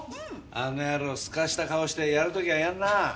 あの野郎すかした顔してやる時はやるな。